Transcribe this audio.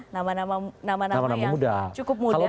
nama nama yang cukup muda